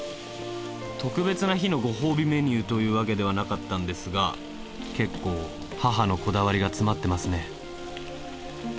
特別な日のご褒美メニューというわけではなかったんですが結構母のこだわりが詰まってますね。